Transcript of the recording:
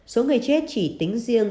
số người chết chỉ tính riêng